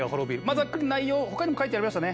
ざっくり内容を他にも書いてありましたね。